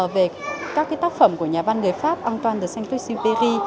về các tác phẩm của nhà văn người pháp antoine de saint supré